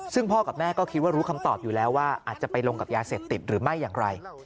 ซึ่งพ่อกับแม่ก็คิดว่ารู้คำตอบอยู่แล้วว่าอาจจะไปลงกับยาเสพติดหรือไม่อย่างไร